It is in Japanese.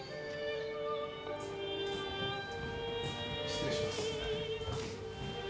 ・失礼します。